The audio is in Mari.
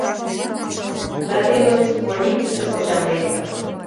— Да тевыс, больницыште почаҥ лектым.